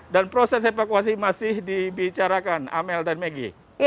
dan proses evakuasi masih dibicarakan amel dan megi